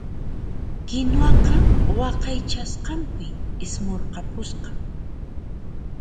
Kinuwaqa waqaychasqanpi ismurqapusqa.